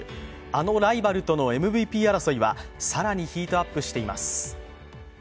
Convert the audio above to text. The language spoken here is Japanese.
あのライバルとのＭＶＰ争いは更にヒートアップしています。